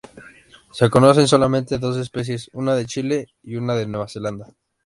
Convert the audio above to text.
Se conocen solamente dos especies, una de Chile y una de Nueva Zelanda.